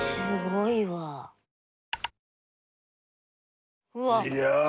いや。